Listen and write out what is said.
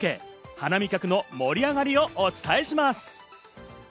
花見客の盛り上がりをお伝えします。